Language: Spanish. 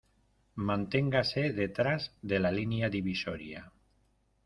Manténgase detrás de la línea divisoria.